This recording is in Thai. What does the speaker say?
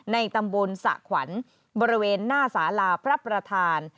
ในตำบลสะขวัญบริเวณหน้าสาลาพระประธาน